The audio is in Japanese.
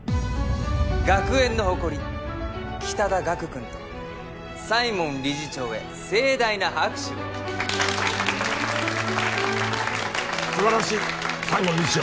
学園の誇り北田岳くんと西門理事長へ盛大な拍手を素晴らしい西門理事長